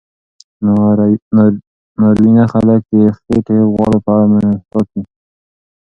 ناروینه خلک د خېټې د غوړو په اړه محتاط وي.